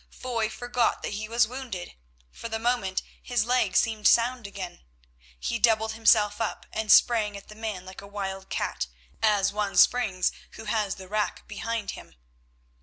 Foy forgot that he was wounded—for the moment his leg seemed sound again. He doubled himself up and sprang at the man like a wild cat, as one springs who has the rack behind him.